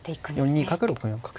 ４二角６四角と。